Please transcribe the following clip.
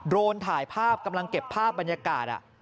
โรนถ่ายภาพกำลังเก็บภาพบรรยากาศ